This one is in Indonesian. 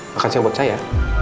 makan siang buat saya